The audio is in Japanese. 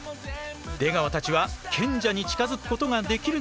出川たちは賢者に近づくことができるのか？